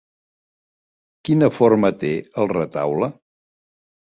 Quina forma té el retaule?